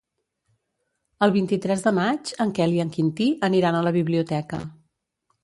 El vint-i-tres de maig en Quel i en Quintí aniran a la biblioteca.